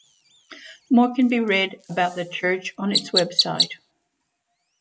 More can be read about the church on its website.